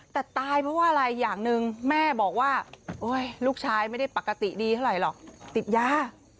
แต่ตายเพราะว่าอะไรอย่างหนึ่งแม่บอกว่าลูกชายไม่ได้ปกติดีเท่าไหร่หรอกติดยา